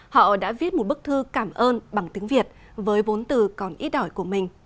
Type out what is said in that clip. họ đã viết một bức thư cảm ơn bằng tiếng việt với bốn từ còn ít đổi của mình